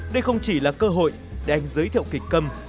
đây không chỉ là cơ hội để anh giới thiệu kịch cầm